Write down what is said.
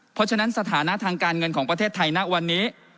เพราะฉะนั้นสถานะทางการเงินของประเทศไทยณวันนี้